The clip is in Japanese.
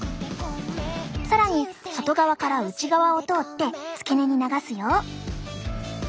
更に外側から内側を通って付け根に流すよ。